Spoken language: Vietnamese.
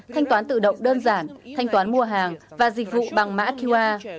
thanh toán tự động đơn giản thanh toán mua hàng và dịch vụ bằng mã qr